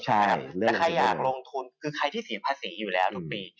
แต่ใครอยากลงทุนคือใครที่เสียภาษีอยู่แล้วทุกปี